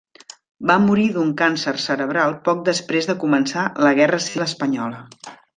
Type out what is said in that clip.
Va morir d'un càncer cerebral poc després de començar la guerra civil espanyola.